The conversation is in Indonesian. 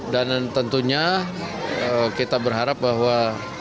dan tentunya kita berharap bahwa